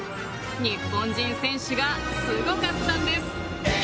日本人選手がすごかったんです。